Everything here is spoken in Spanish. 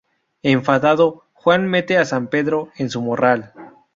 Enfadado, Juan mete a san Pedro en su morral.